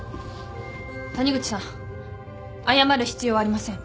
谷口さん謝る必要はありません。